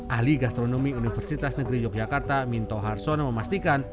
ahli gastronomi universitas negeri yogyakarta minto harsono memastikan